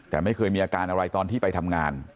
แต่ไม่เคยมีอาการอะไรตอนที่ไปทำงาน